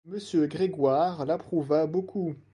Monsieur Grégoire l’approuva beaucoup.